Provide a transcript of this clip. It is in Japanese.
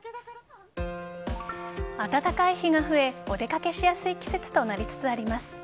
暖かい日が増えお出掛けしやすい季節となりつつあります。